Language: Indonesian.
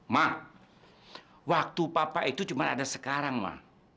ma waktu papa itu cuma ada sekarang ma